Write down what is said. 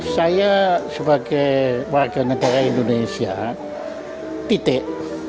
saya sebagai warga negara indonesia titik